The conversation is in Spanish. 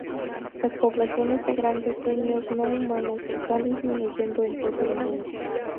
Las poblaciones de grandes simios no humanos están disminuyendo en todo el mundo.